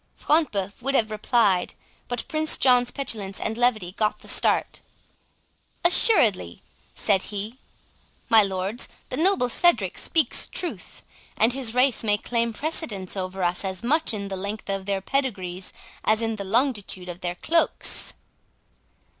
Front de Bœuf would have replied, but Prince John's petulance and levity got the start. "Assuredly," said be, "my lords, the noble Cedric speaks truth; and his race may claim precedence over us as much in the length of their pedigrees as in the longitude of their cloaks."